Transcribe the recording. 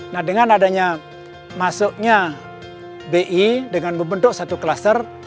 nah dengan adanya masuknya bi dengan membentuk satu kluster